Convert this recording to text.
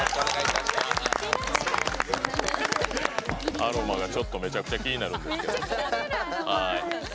アロマがめちゃくちゃ気になるんですけど。